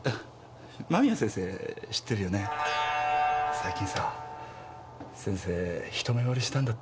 最近さ先生一目ぼれしたんだって。